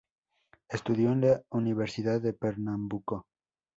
Estudió en la Universidad de Pernambuco.